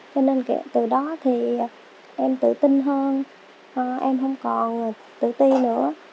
cho nên từ đó thì em tự tin hơn em không còn tự ti nữa